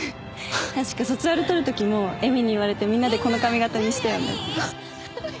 確か卒アル撮る時も絵美に言われてみんなでこの髪形にしたよね。